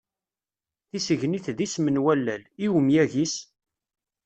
Tisegnit d isem n wallal, i umyag-is?